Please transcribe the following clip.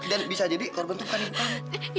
dan bisa jadi korban itu bukan ibu kamu